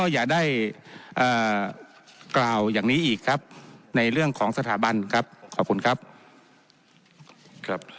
อย่าได้กล่าวอย่างนี้อีกครับในเรื่องของสถาบันครับขอบคุณครับครับ